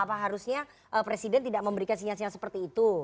apa harusnya presiden tidak memberikan sinyal sinyal seperti itu